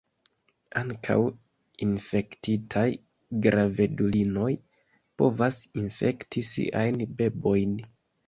Ankaŭ infektitaj gravedulinoj povas infekti siajn bebojn.